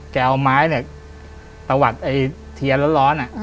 แกเอาไม้เนี่ยตะวัดเทียร้อน